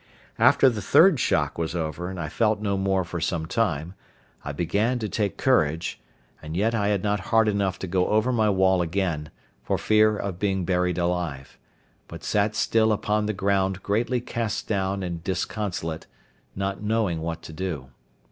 After the third shock was over, and I felt no more for some time, I began to take courage; and yet I had not heart enough to go over my wall again, for fear of being buried alive, but sat still upon the ground greatly cast down and disconsolate, not knowing what to do.